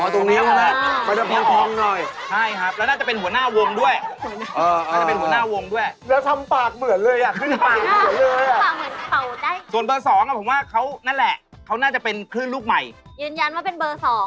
อ๋อตรงนี้ออกนะครับ